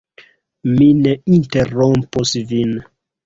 Mi ne interrompos vin.